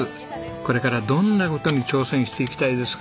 これからどんな事に挑戦していきたいですか？